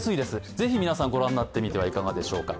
是非、皆さんご覧になってみてはいかがでしょうか。